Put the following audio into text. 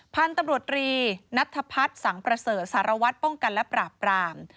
พันธุ์ตำรวจรีนัทพัฒน์สังประเสริฐสารวัตรป้องกันและปราบปราม